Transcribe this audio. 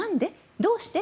どうして？